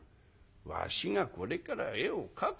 「わしがこれから絵を描くのだ。